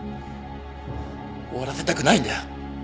終わらせたくないんだよ。